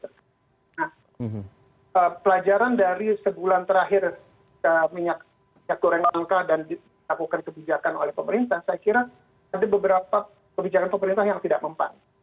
nah pelajaran dari sebulan terakhir minyak goreng langka dan dilakukan kebijakan oleh pemerintah saya kira ada beberapa kebijakan pemerintah yang tidak mempan